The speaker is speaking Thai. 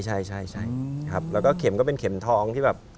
ใช่ใช่ครับแล้วก็เข็มก็เป็นเข็มทองที่แบบ